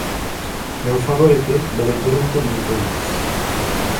Jeho favority byli Toronto Maple Leafs.